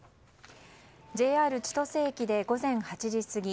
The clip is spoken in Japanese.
ＪＲ千歳駅で午前８時過ぎ